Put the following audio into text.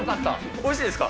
おいしいですか。